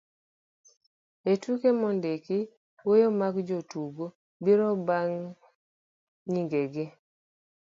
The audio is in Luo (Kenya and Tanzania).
e tuke mondiki, wuoyo mag jotugo biro bang' nying'egi